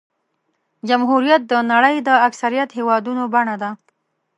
جمهوریت د نړۍ د اکثریت هېوادونو بڼه ده.